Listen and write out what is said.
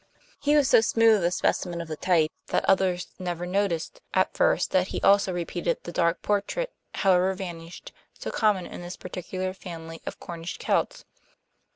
He was so smooth a specimen of the type that others never noticed, at first, that he also repeated the dark portrait, however varnished, so common in this particular family of Cornish Celts.